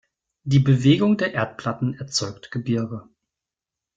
Die Bewegung der Erdplatten erzeugt Gebirge.